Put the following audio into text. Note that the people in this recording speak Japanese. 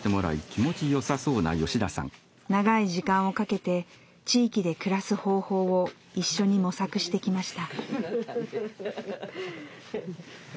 長い時間をかけて地域で暮らす方法を一緒に模索してきました。